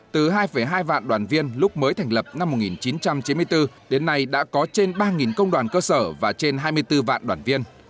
từ hai hai vạn đoàn viên lúc mới thành lập năm một nghìn chín trăm chín mươi bốn đến nay đã có trên ba công đoàn cơ sở và trên hai mươi bốn vạn đoàn viên